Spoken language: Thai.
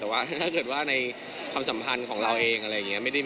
โอเคไม่น่าที่ว่าน้องมีแอพ